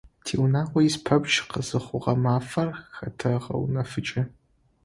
Тиунагъо ис пэпчъ къызыхъугъэ мафэр хэтэгъэунэфыкӀы.